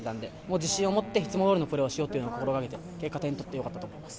自信を持っていつもどおりのプレーをしようということで結果点を取ってよかったと思います。